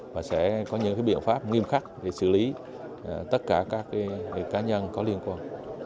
và sẽ có những biện pháp nghiêm khắc để xử lý tất cả các cá nhân có liên quan